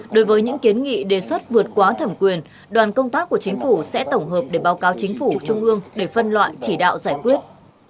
đối với những kiến nghị đề xuất vượt quá thẩm quyền đoàn công tác của chính phủ sẽ tổng hợp để báo cáo chính phủ trung ương để phân loại chỉ đạo giải quyết